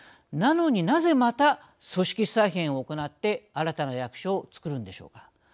なのになぜまた組織再編を行って新たな役所を作るんでしょうか。